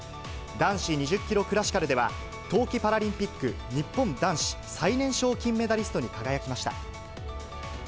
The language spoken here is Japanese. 男子２０キロクラシカルでは、冬季パラリンピック日本男子最年少金メダリストに輝きました。